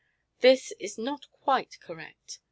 This is not quite correct.